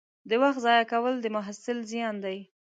د وخت ضایع کول د محصل زیان دی.